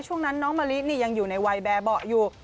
ช่วงนั้นน้องมะลิยังอยู่ในวัยแบบเบาะอยู่